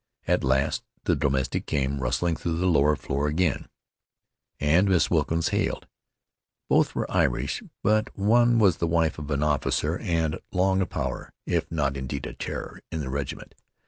At last the domestic came rustling through the lower floor again, and Mrs. Wilkins hailed. Both were Irish, but one was the wife of an officer and long a power, if not indeed a terror, in the regiment.